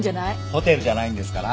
ホテルじゃないんですから。